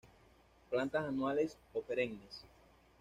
Plantas anuales o perennes.